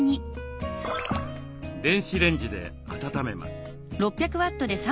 電子レンジで温めます。